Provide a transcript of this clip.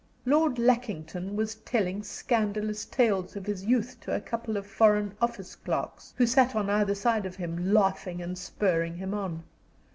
Lord Lackington was telling scandalous tales of his youth to a couple of Foreign Office clerks, who sat on either side of him, laughing and spurring him on.